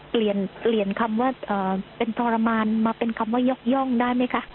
เขตได้เป็นสาวเรียกขำว่าเป็นพรมารเป็นคำว่าย้องได้ไหมคะ